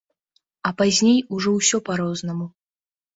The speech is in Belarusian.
А пазней ужо ўсё па-рознаму.